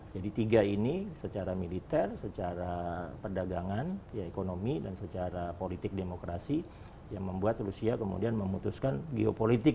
jadi tiga ini secara militer secara perdagangan ekonomi dan secara politik demokrasi yang membuat rusia kemudian memutuskan geopolitik